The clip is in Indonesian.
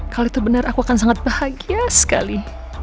kalau itu benar aku akan sangat bahagia sekali